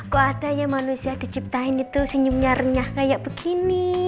kok ada ya manusia diciptain itu senyumnya renyah kayak begini